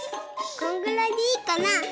こんぐらいでいいかな。